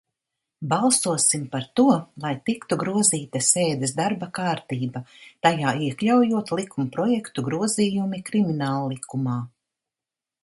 "Balsosim par to, lai tiktu grozīta sēdes darba kārtība, tajā iekļaujot likumprojektu "Grozījumi Krimināllikumā"!"